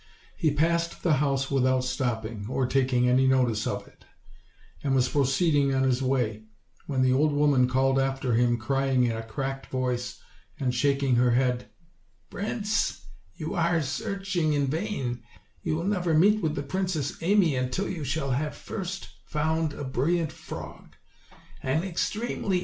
He passed the house without stopping, or taking any notice of it, and was proceeding on his way, when the old woman called after him, crying in a cracked voice and shaking her head : "Prince, you are searching in, vainj you will never meet with the Princess Amy until you shall have first found a brilliant frog; an extremely 164 OLD, OLD FAIRY TALES.